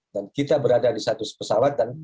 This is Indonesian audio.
dan kita berada di satu pesawat dan